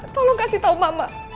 tolong kasih tau mama